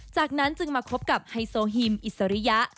จากนั้นจึงมาคบกับไฮโซฮิมอิสริยะ